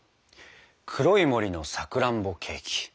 黒い森のさくらんぼケーキ。